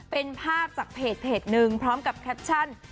เป็นภาพจากเพจหนึ่งพร้อมกับแคปชั่น